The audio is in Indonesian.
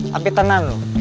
tapi tenang loh